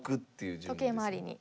時計回りに。